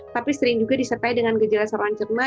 tapi sering juga disertai dengan gejala saluran cerna